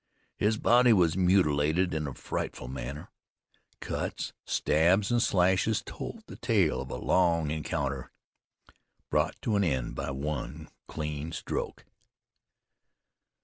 His body was mutilated in a frightful manner. Cuts, stabs, and slashes told the tale of a long encounter, brought to an end by one clean stroke.